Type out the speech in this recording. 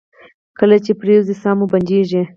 کله چې پریوځئ ساه مو بندیږي؟